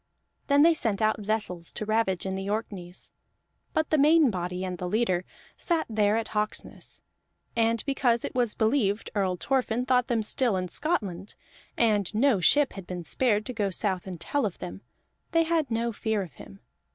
Then they sent out vessels to ravage in the Orkneys; but the main body, and the leader, sat there at Hawksness, and because it was believed Earl Thorfinn thought them still in Scotland, and no ship had been spared to go south and tell of them, they had no fear of him.